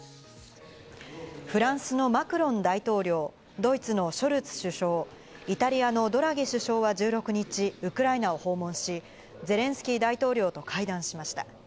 フランスのマクロン大統領、ドイツのショルツ首相、イタリアのドラギ首相は１６日、ウクライナを訪問し、ゼレンスキー大統領と会談しました。